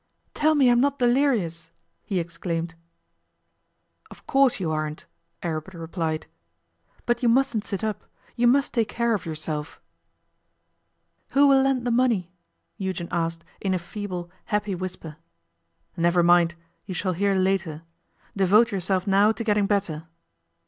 'Tell me I am not delirious,' he exclaimed. 'Of course you aren't,' Aribert replied. 'But you mustn't sit up. You must take care of yourself.' 'Who will lend the money?' Eugen asked in a feeble, happy whisper. 'Never mind. You shall hear later. Devote yourself now to getting better.